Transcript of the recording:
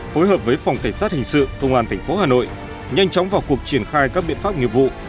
phối hợp với phòng cảnh sát hình sự công an tp hà nội nhanh chóng vào cuộc triển khai các biện pháp nghiệp vụ